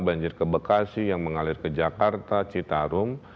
banjir ke bekasi yang mengalir ke jakarta citarum